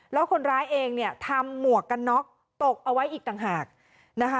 แล้วคนร้ายเองเนี่ยทำหมวกกันน็อกตกเอาไว้อีกต่างหากนะคะ